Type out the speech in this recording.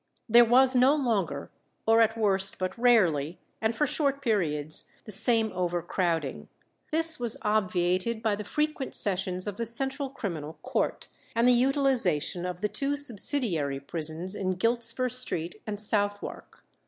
There was no longer, or at worst but rarely, and for short periods, the same overcrowding. This was obviated by the frequent sessions of the Central Criminal Court, and the utilization of the two subsidiary prisons in Giltspur Street and Southwark.